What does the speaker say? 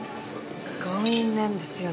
強引なんですよ